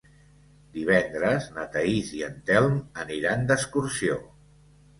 Divendres na Thaís i en Telm aniran d'excursió.